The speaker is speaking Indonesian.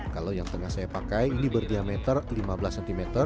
kalau yang tengah saya pakai ini berdiameter lima belas cm